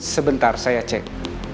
sebentar saya cek